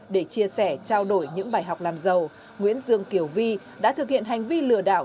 để chia sẻ trao đổi những bài học làm giàu nguyễn dương kiều vi đã thực hiện hành vi lừa đảo